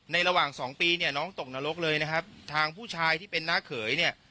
ระหว่างสองปีเนี่ยน้องตกนรกเลยนะครับทางผู้ชายที่เป็นน้าเขยเนี่ย